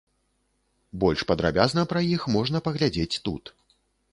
Больш падрабязна пра іх можна паглядзець тут.